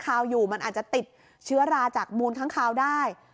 อยู่มันอาจจะติดเชื้อราจากมูลค้างคาวได้